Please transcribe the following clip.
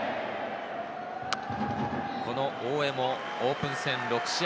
この大江もオープン戦、６試合